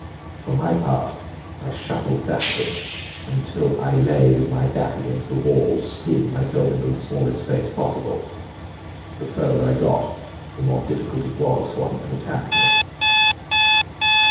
For my part I shuffled backwards until I lay with my back against the wall, screwing myself into the smallest space possible. The farther I got the more difficult it was for him to attack me.